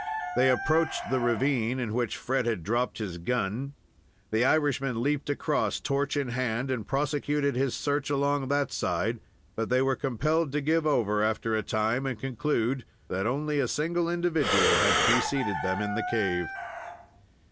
They approached the ravine in which Fred had dropped his gun. The Irishman leaped across, torch in hand, and prosecuted his search along that side; but they were compelled to give over after a time and conclude that only a single individual had preceded them in the cave.